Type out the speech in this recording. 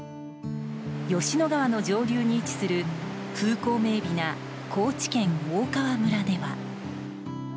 吉野川の上流に位置する風光明媚な高知県大川村では。